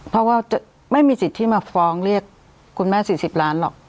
เพราะว่าไม่มีสิทธิ์ที่มาฟ้องเรียกคุณแม่๔๐ล้านหรอก